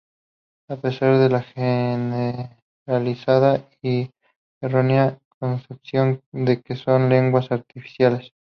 A pesar de la generalizada y errónea concepción de que son "lenguas artificiales".